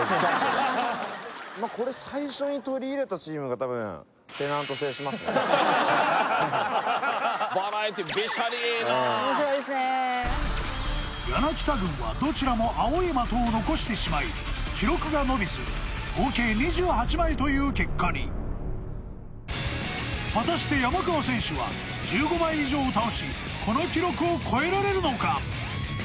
もうたぶんバラエティべしゃりええなあ面白いですねー柳田軍はどちらも青い的を残してしまい記録が伸びず合計２８枚という結果に果たして山川選手は１５枚以上倒しこの記録を超えられるのか？